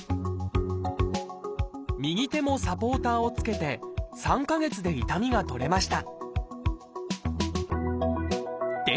右手もサポーターを着けて３か月で痛みが取れました